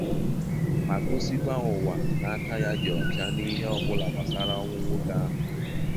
ma gosikwa ụwa na aka ya dị ọcha n'ihe ọbụla gbasaara ọnwụ nwoke ahụ.